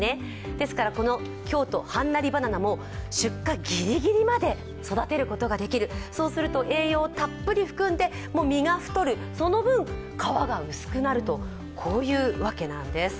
ですから、この京都はんなりばななも出荷ギリギリまで育てることができる、そうすると栄養たっぷり含んで実が太りその分、皮が薄くなるとこういうわけなんです。